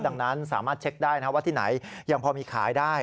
ดังนั้นสามารถเช็คได้ว่าที่ไหนยังพอมีขายได้